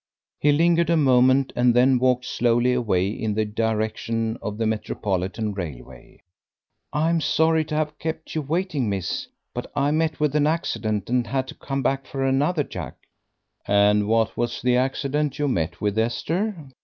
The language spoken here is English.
He lingered a moment and then walked slowly away in the direction of the Metropolitan Railway. "I'm sorry to 'ave kept you waiting, miss, but I met with an accident and had to come back for another jug." "And what was the accident you met with, Esther?"